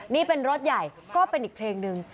นี่เป็นรถใหญ่ก็เป็นอีกเพลงหนึ่ง